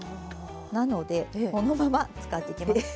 なのでこのまま使っていきます。